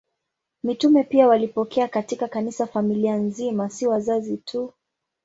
Mitume pia walipokea katika Kanisa familia nzima, si wazazi tu.